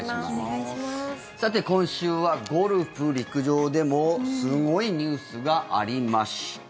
さて、今週はゴルフ、陸上でもすごいニュースがありました。